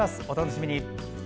お楽しみに。